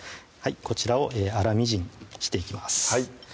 こちらを粗みじんにしていきます